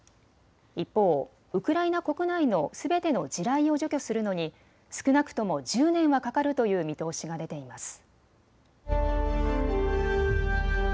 一方、ウクライナ国内のすべての地雷を除去するのに少なくとも１０年はかかるという見通しが出ています。